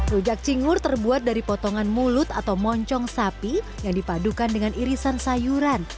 rujak cingur terbuat dari potongan mulut atau moncong sapi yang dipadukan dengan irisan sayuran